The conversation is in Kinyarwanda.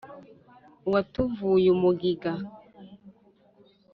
Uwatuvuye umugiga